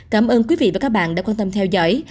cảm ơn quý vị và các bạn đã quan tâm theo dõi